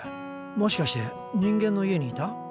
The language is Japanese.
もしかして人間の家にいた？